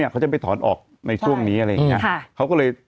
เขาจะไปถอนออกในช่วงนี้อะไรอย่างนี้